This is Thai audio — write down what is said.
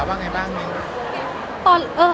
ว่าไงบ้างเนี่ย